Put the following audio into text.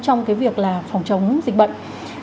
trong cái việc là phòng chống dịch bệnh